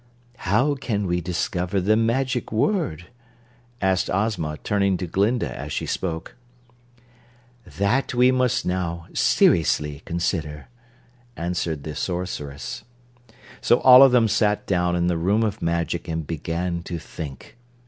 "How can we discover the magic word?" asked Ozma, turning to Glinda as she spoke. "That we must now seriously consider," answered the Sorceress. So all of them sat down in the Room of Magic and began to think.